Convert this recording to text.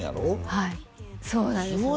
はいそうなんですよ